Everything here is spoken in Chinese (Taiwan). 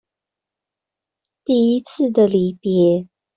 第一次的離別